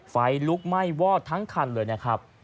ไฟลุกไหม้วอดทั้งคันเลยนะครับ